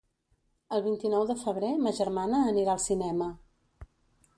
El vint-i-nou de febrer ma germana anirà al cinema.